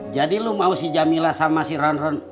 jadi lo mau si jamila sama si ronron